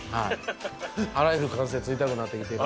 あらゆる関節、痛くなってきてる